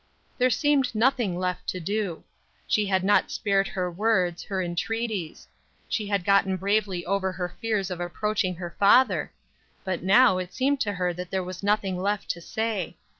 There seemed nothing left to do. She had not spared her words, her entreaties. She had gotten bravely over her fears of approaching her father. But now it seemed to her that there was nothing left to say.